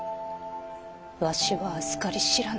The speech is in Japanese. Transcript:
わしはあずかり知らぬ。